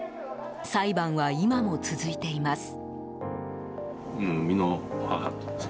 裁判は今も続いています。